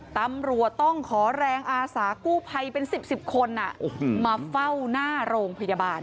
ตำรวจต้องขอแรงอาสากู้ภัยเป็น๑๐๑๐คนมาเฝ้าหน้าโรงพยาบาล